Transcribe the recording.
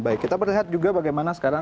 baik kita melihat juga bagaimana sekarang